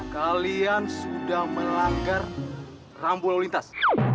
kalian sudah melanggar rambu lalu lintas